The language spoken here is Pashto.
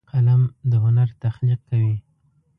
قلم د هنر تخلیق کوي